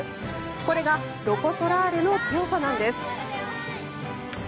これがロコ・ソラーレの強さなんです。